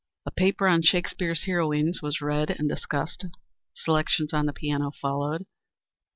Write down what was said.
A paper on Shakespeare's heroines was read and discussed. Selections on the piano followed.